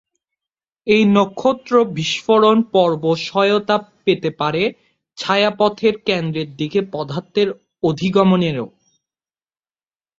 এই নক্ষত্র বিস্ফোরণ পর্ব সহায়তা পেতে পারে ছায়াপথের কেন্দ্রের দিকে পদার্থের অধিগমনেরও।